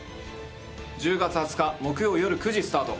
１０月２０日木曜よる９時スタート。